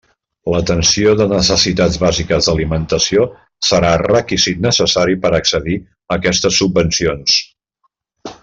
L'atenció de necessitats bàsiques d'alimentació serà requisit necessari per accedir a aquestes subvencions.